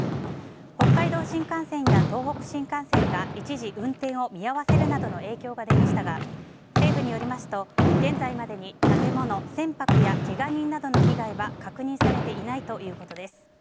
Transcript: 北海道新幹線や東北新幹線が一時、運転を見合わせるなどの影響が出ましたが政府によりますと現在までに建物、船舶やけが人などの被害は確認されていないということです。